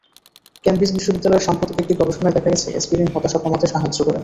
Cambridge বিশ্ববিদ্যালয়ের সাম্প্রতিক একটি গবেষণায় দেখা গেছে, অ্যাসপিরিন হতাশা কমাতে সাহায্য করে।